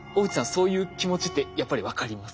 そういう気持ちってやっぱり分かりますか？